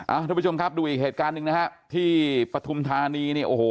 ทุกผู้ชมครับดูอีกเหตุการณ์หนึ่งนะฮะที่ปฐุมธานีเนี่ยโอ้โห